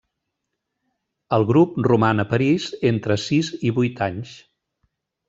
El grup roman a París entre sis i vuit anys.